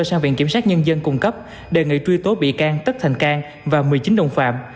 sang viện kiểm sát nhân dân cung cấp đề nghị truy tố bị can tất thành cang và một mươi chín đồng phạm